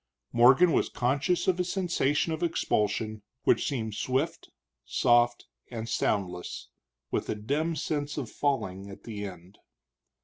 Morgan was conscious of a sensation of expulsion, which seemed swift, soft, and soundless, with a dim sense of falling at the end.